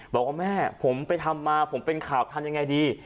บอกว่าแม่ผมไปทำมาผมเป็นข่าวทำยังไงดี